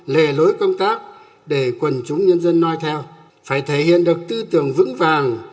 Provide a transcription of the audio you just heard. lề lối công tác để quần chúng nhân dân nói theo phải thể hiện được tư tưởng vững vàng